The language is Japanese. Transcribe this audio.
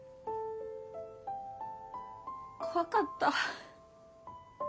怖かった。